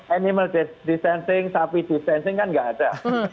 animal distancing sapi distancing kan nggak ada